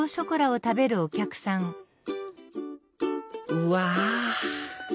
うわ！